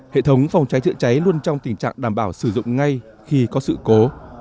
hệ thống phòng cháy chữa cháy luôn trong tình trạng đảm bảo sử dụng ngay khi có sự cố